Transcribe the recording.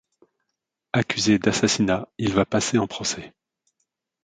Accusé d'assassinat, il va passer en procès.